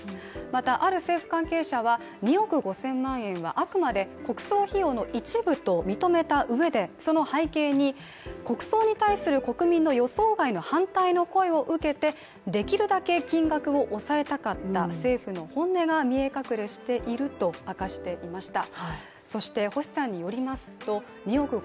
またある政府関係者は、２億５０００万円はあくまで国葬費用の一部と認めたうえでその背景に、国葬に対する国民の予想外の反対の声を受けてできるだけ金額を抑えたかった政府の本音が見え隠れしていると明かしていました。